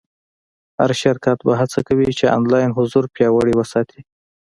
هر شرکت به هڅه کوي چې آنلاین حضور پیاوړی وساتي.